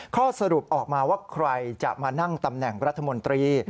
ข้อสรุปออกมาว่าใครจะมานั่งตำแหน่งรัฐมนตรี